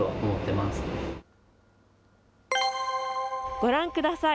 ご覧ください。